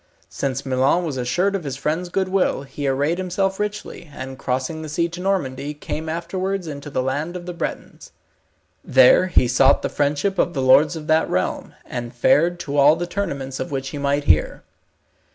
Since Milon was assured of his friend's goodwill, he arrayed himself richly, and crossing the sea to Normandy, came afterwards into the land of the Bretons. There he sought the friendship of the lords of that realm, and fared to all the tournaments of which he might hear.